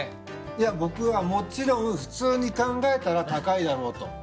僕はもちろん普通に考えたら高いだろうと。